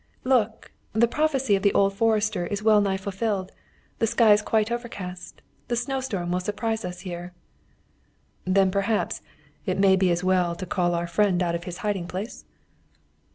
"Look! the prophecy of the old forester is well nigh fulfilled. The sky is quite overcast. The snowstorm will surprise us here." "Then, perhaps, it may be as well to call our friend out of his hiding place?"